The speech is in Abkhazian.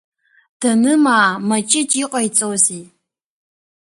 Данымаа, Маҷыҷ иҟаиҵози…